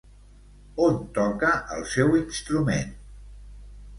On toca el seu instrument?